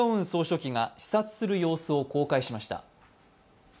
総書記が視察する様子を公開しました。